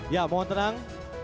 ya mohon tenang